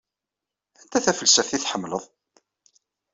Anta tafelsaft i tḥemmleḍ?